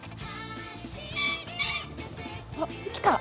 ・あっ来た！